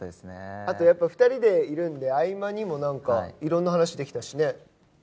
あとやっぱり、２人でいるんで、合間にもなんかいろんな話できたしね。